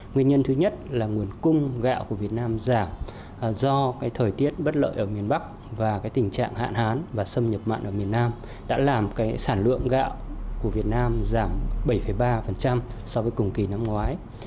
nguyên nhân thứ nhất là nguồn cung gạo của việt nam giảm do thời tiết bất lợi ở miền bắc và tình trạng hạn hán và xâm nhập mặn ở miền nam đã làm sản lượng gạo của việt nam giảm bảy ba so với cùng kỳ năm ngoái